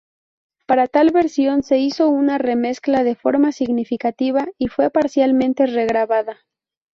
Para tal versión se hizo una remezcla de forma significativa y fue parcialmente regrabada.